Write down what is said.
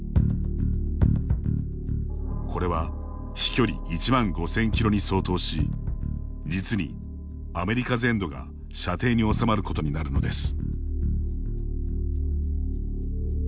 これは飛距離１万５０００キロに相当し、実にアメリカ全土が射程に収まることになるのです。